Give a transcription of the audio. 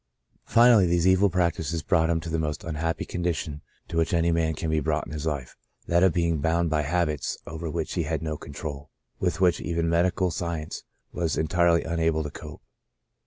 " Finally, these evil practices brought him to the most unhappy condition to which any man can be brought in this life — that of be ing bound by habits over which he had no control, with which even medical science was entirely unable to cope.